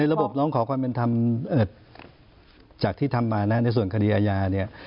ระบบร้องขอความเป็นธรรมจากที่ทำมานะในส่วนคดีอาญาเนี่ย